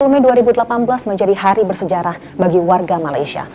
dua puluh mei dua ribu delapan belas menjadi hari bersejarah bagi warga malaysia